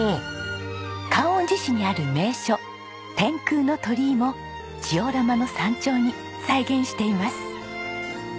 観音寺市にある名所天空の鳥居もジオラマの山頂に再現しています。